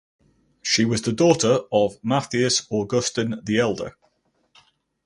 She was the daughter of Mathias Augustin the Elder.